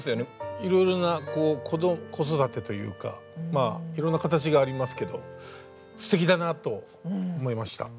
いろいろな子育てというかいろんな形がありますけどすてきだなと思いました。